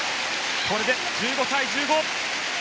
これで１５対１５。